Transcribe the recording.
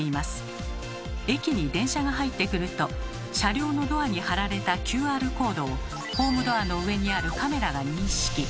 駅に電車が入ってくると車両のドアに貼られたＱＲコードをホームドアの上にあるカメラが認識。